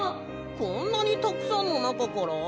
こんなにたくさんのなかから？